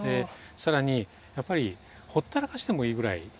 更にやっぱりほったらかしでもいいぐらいなのでね。